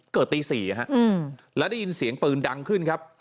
ตี๔แล้วได้ยินเสียงปืนดังขึ้นครับ